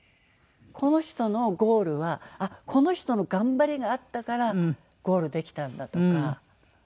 この人のゴールはこの人の頑張りがあったからゴールできたんだとか。